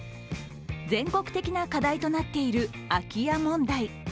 全国的な課題となっている空き家問題。